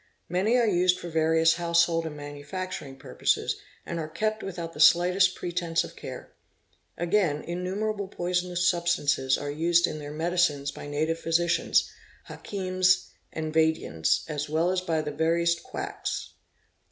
Many are used for various house hold and manufacturing purposes, and are kept without the slightest pretence of care. Again innumerable poisonous substances are used im their medicines by native physicians, hakims, and vaidyans, as well as by the veriest quacks.